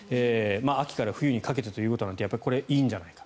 秋から冬にかけてということなのでこれはいいんじゃないか。